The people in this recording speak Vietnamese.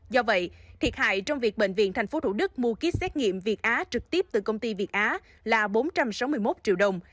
do vậy thiệt hại trong việc bệnh viện tp thủ đức mua kýt xét nghiệm việt á trực tiếp từ công ty việt á là bốn trăm sáu mươi một triệu đồng